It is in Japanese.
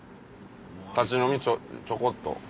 立ち呑みちょこっと。